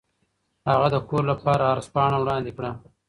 هغه د کور لپاره عرض پاڼه وړاندې کړه.